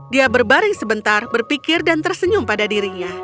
dia berbaring sebentar berpikir dan tersenyum pada dirinya